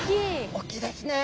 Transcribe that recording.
大きいですね。